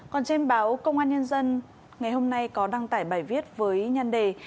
còn trên báo công an nhân dân ngày hôm nay có đăng tải bài viết với nhan đề